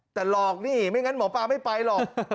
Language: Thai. แต่หลอกนี่ไม่งั้นหมอปลาไม่ไปหรอก